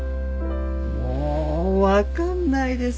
もう分かんないです